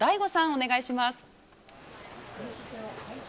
お願いします。